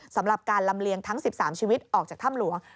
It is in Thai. สำหรับการลำเลียงทั้ง๑๓ชีวิตออกจากถ้ำหลวง